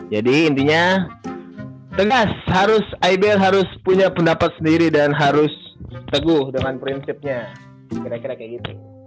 jadi intinya tegas harus ibl harus punya pendapat sendiri dan harus teguh dengan prinsipnya kira kira kayak gitu